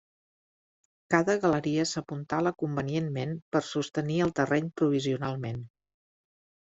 Cada galeria s'apuntala convenientment per sostenir el terreny provisionalment.